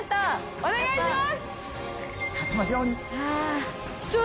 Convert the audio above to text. お願いします！